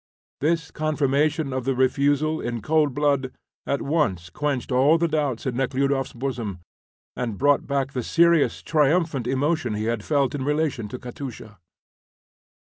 This confirmation of the refusal in cold blood at once quenched all the doubts in Nekhludoff's bosom, and brought back the serious, triumphant emotion he had felt in relation to Katusha.